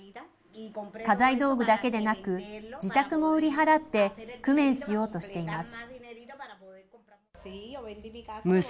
家財道具だけでなく、自宅も売り払って、工面しようとしています。